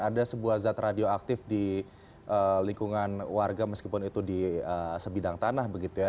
ada sebuah zat radioaktif di lingkungan warga meskipun itu di sebidang tanah begitu ya